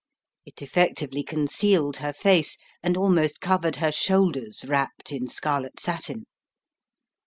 It effectively concealed her face, and almost covered her shoulders wrapped in scarlet satin.